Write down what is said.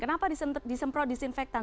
kenapa disemprot disinfektan